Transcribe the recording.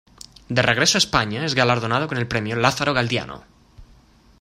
De regreso a España es galardonado con el premio Lázaro Galdiano.